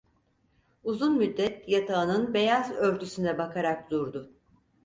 Uzun müddet yatağının beyaz örtüsüne bakarak durdu.